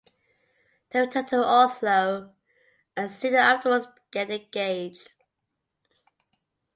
They return to Oslo and soon afterwards get engaged.